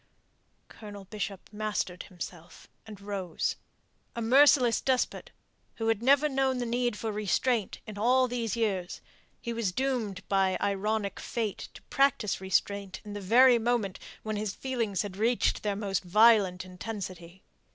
Colonel Bishop mastered himself, and rose. A merciless despot, who had never known the need for restraint in all these years, he was doomed by ironic fate to practise restraint in the very moment when his feelings had reached their most violent intensity.